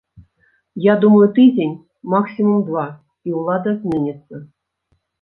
Я думаю тыдзень, максімум два і ўлада зменіцца.